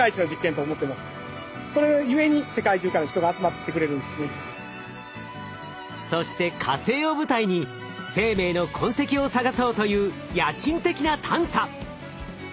それゆえにそして火星を舞台に生命の痕跡を探そうという野心的な探査。